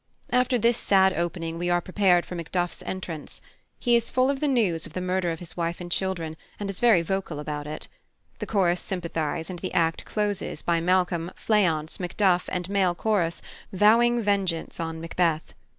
After this sad opening we are prepared for Macduff's entrance. He is full of the news of the murder of his wife and children, and is very vocal about it. The chorus sympathise, and the act closes by Malcolm, Fleance, Macduff, and male chorus vowing vengeance on Macbeth.